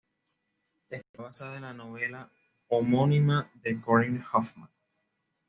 Está basada en la novela homónima de Corinne Hofmann.